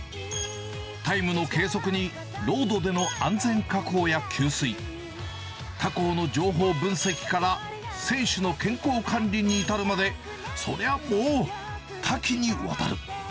タイムの計測に、ロードでの安全確保や給水、他校の情報分析から、選手の健康管理に至るまで、そりゃもう、多岐にわたる。